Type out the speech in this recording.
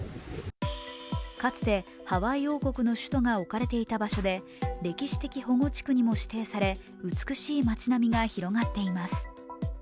かつてハワイ王国の首都が置かれていた場所で歴史的保護地区にも指定され美しい街並みが広がっています。